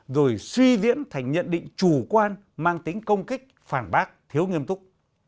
rồi suy diễn thành nhận định chủ quan mang tính công kích phản bác thiếu nghiêm túc